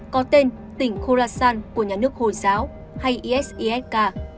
có tên tỉnh khorasan của nhà nước hồi giáo hay esk